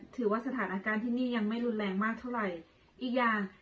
สถานการณ์ที่นี่ยังไม่รุนแรงมากเท่าไหร่อีกอย่าง